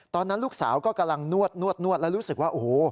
ตอนนั้นลูกสาวก็กำลังนวดนวดแล้วรู้สึกว่าโอ้โห